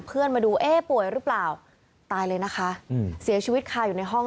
มาดูเอ๊ะป่วยหรือเปล่าตายเลยนะคะเสียชีวิตคาอยู่ในห้อง